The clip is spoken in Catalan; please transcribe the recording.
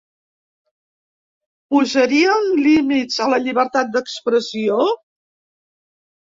Posarien límits a la llibertat d’expressió?